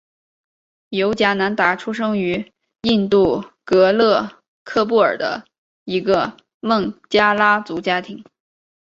尤迦南达出生于印度戈勒克布尔一个孟加拉族家庭。